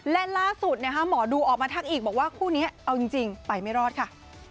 และล่าสุดหมอดูออกมาทักอีกบอกว่าคู่นี้เอาจริงไปไม่รอดค่ะ